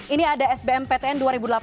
ini ada sbm ptn dua ribu delapan belas